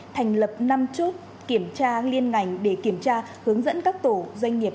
thành lập năm chốt kiểm tra liên ngành để kiểm tra hướng dẫn các tổ doanh nghiệp